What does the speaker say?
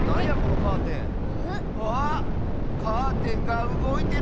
カーテンがうごいてる。